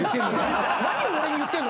何を俺に言ってんの？